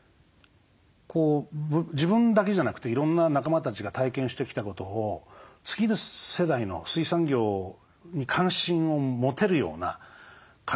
自分だけじゃなくていろんな仲間たちが体験してきたことを次の世代の水産業に関心を持てるような形にしたいですよね。